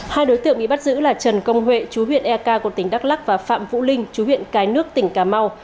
hai đối tượng bị bắt giữ là trần công huệ chú huyện eka của tỉnh đắk lắc và phạm vũ linh chú huyện cái nước tỉnh cà mau